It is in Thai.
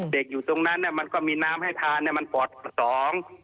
เด็กอยู่ตรงนั้นมันก็มีน้ำให้ทานมันปลอดภัยสอง